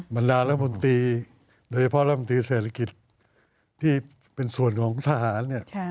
บรรดารัฐมนตรีโดยเฉพาะรัฐมนตรีเศรษฐกิจที่เป็นส่วนของทหารเนี่ย